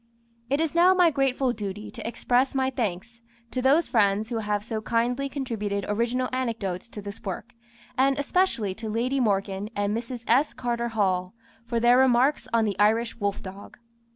It is now my grateful duty to express my thanks to those friends who have so kindly contributed original anecdotes to this work, and especially to Lady Morgan and Mrs. S. Carter Hall for their remarks on the Irish wolf dog.